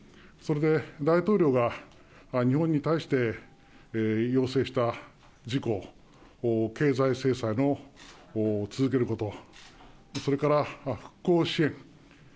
それで、大統領が日本に対して要請した事項経済制裁を続けることそれから復興支援。